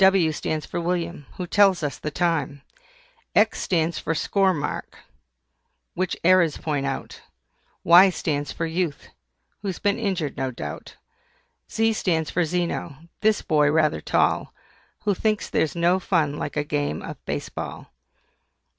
W stands for WILLIAM, who tells us the time. X stands for SCORE MARK, which errors point out. Y stands for YOUTH, who's been injured no doubt. Z stands for ZENO, this boy rather tall, Who thinks there's no fun like a game of Base Ball.